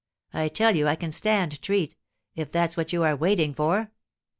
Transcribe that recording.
I tell you I can stand treat, if that's what you are waiting for."